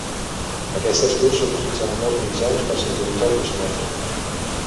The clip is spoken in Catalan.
Aquest escut s'utilitza a molts mitjans per simbolitzar el personatge.